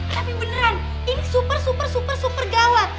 tapi beneran ini super super super super gawat